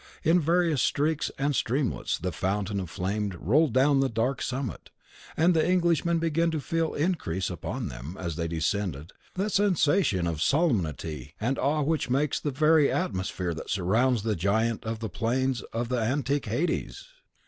In various streaks and streamlets, the fountain of flame rolled down the dark summit, and the Englishmen began to feel increase upon them, as they ascended, that sensation of solemnity and awe which makes the very atmosphere that surrounds the Giant of the Plains of the Antique Hades.